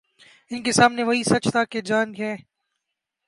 ان کے سامنے وہی سچ تھا کہ جان ہے۔